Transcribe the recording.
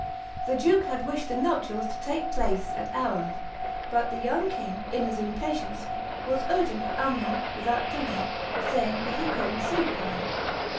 The duke had wished the nuptials to take place at Arras; but the young king, in his impatience, was urgent for Amiens, without delay, saying that he couldn't sleep for her.